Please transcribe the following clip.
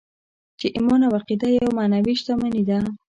چې ايمان او عقیده يوه معنوي شتمني ده.